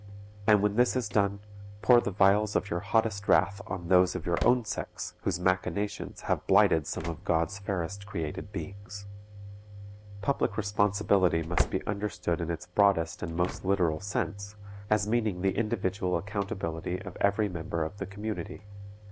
And when this is done, pour the vials of your hottest wrath on those of your own sex whose machinations have blighted some of God's fairest created beings. Public responsibility must be understood in its broadest and most literal sense, as meaning the individual accountability of every member of the community.